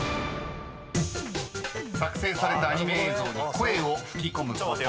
［作成されたアニメ映像に声を吹き込むこと］